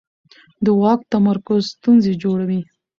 د واک تمرکز ستونزې جوړوي